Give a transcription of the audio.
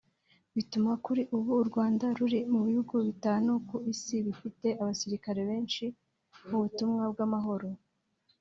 bituma kuri ubu u Rwanda ruri mu bihugu bitanu ku isi bifite abasirikare benshi mu butumwa bw’amahoro